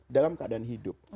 dalam keadaan hidup